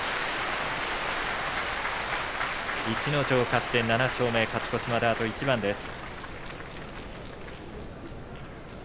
逸ノ城勝って７勝目勝ち越しまであと一番です。